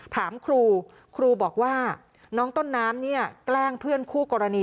ถามครูครูบอกว่าน้องต้นน้ำเนี่ยแกล้งเพื่อนคู่กรณี